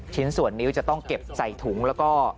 ชิ้นส่วนนิ้วจะต้องเก็บใส่ถุงแล้วก็